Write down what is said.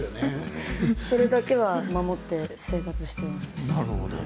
それだけは守って生活をしています。